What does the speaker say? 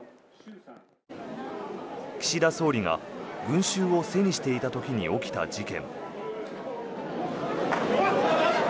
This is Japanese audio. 岸田総理が群衆を背にしていた時に起きた事件。